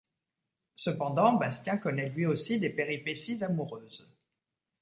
Cependant, Bastien connait lui aussi des péripéties amoureuses.